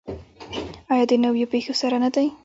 آیا د نویو پیښو سره نه دی؟